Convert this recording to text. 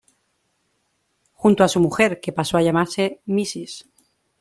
Junto a su mujer, que pasó a llamarse Mrs.